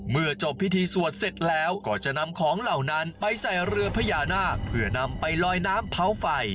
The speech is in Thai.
เมื่อจบพิธีสวดเสร็จแล้วก็จะนำของเหล่านั้นไปใส่เรือพญานาคเพื่อนำไปลอยน้ำเผาไฟ